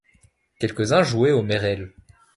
Quelques-uns jouaient aux mérelles.